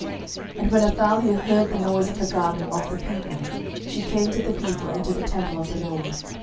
12:011:013 And when Athaliah heard the noise of the guard and of the people, she came to the people into the temple of the LORD.